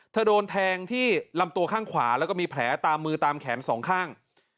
โดนแทงที่ลำตัวข้างขวาแล้วก็มีแผลตามมือตามแขนสองข้าง